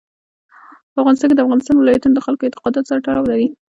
په افغانستان کې د افغانستان ولايتونه د خلکو د اعتقاداتو سره تړاو لري.